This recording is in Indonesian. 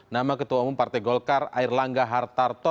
nama ketua umum partai golkar air langga hartarto